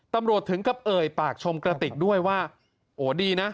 ตำรวจถึงกับเอ่ยปากชมกระติกด้วยว่าโอ้ดีนะ